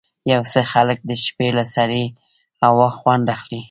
یو څه خلک د شپې له سړې هوا خوند اخلي.